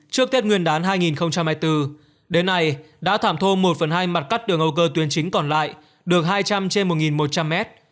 trước tết nguyên đán hai nghìn hai mươi bốn đến nay đã thảm thôn một phần hai mặt cắt đường âu cơ tuyến chính còn lại được hai trăm linh trên một một trăm linh mét